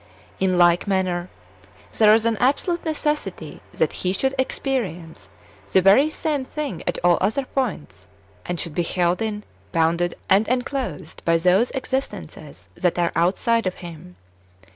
In like man ner, there is an absolute necessity that He should experience the very same thing at all other points, and should be held in, bounded, and enclosed by those existences that are out side of Him.